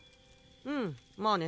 うんまあね。